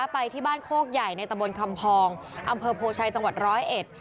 ไปที่บ้านโคกใหญ่ในตะบนคำพองอำเภอโพชัยจังหวัดร้อยเอ็ด